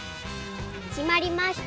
きまりました。